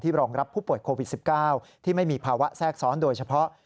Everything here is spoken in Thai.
รองรับผู้ป่วยโควิด๑๙ที่ไม่มีภาวะแทรกซ้อนโดยเฉพาะ